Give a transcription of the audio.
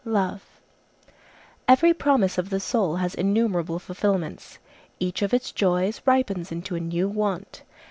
LOVE Every promise of the soul has innumerable fulfilments; each of its joys ripens into a new want.